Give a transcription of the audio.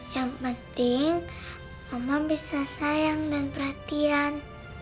yang penting omam bisa sayang dan perhatian